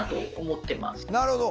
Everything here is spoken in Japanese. なるほど。